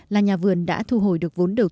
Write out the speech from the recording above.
là nhà vườn đã thu hồi được vốn đầu tư